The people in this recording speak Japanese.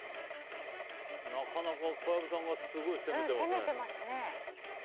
なかなか小籔さんが攻めてますね。